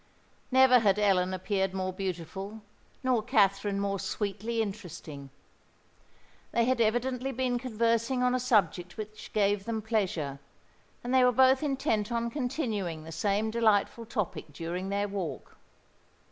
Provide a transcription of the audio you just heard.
Never had Ellen appeared more beautiful; nor Katherine more sweetly interesting. They had evidently been conversing on a subject which gave them pleasure; and they were both intent on continuing the same delightful topic during their walk.